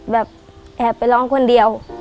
แบบแอบไปร้องคนเดียว